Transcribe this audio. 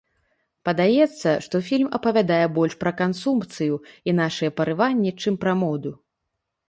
Падаецца, што фільм апавядае больш пра кансумпцыю і нашыя парыванні, чым пра моду.